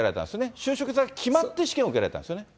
就職先が決まって試験を受けられたんですよね。